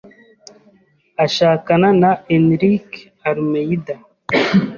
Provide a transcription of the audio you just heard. ashakana na Enriques Almeida,